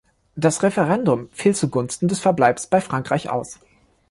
Das Referendum fiel zugunsten des Verbleibs bei Frankreich aus.